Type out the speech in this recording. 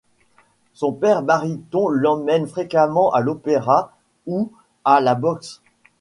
Son père baryton l'emmène fréquemment à l'opéra ou à la boxe.